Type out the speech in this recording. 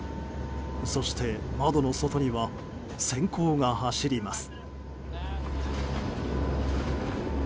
そして、窓の外には閃光が走ります。